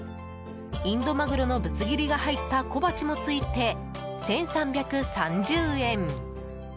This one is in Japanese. インドマグロのぶつ切りが入った小鉢もついて１３３０円。